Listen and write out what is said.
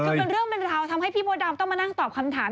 คือเป็นเรื่องเป็นราวทำให้พี่มดดำต้องมานั่งตอบคำถาม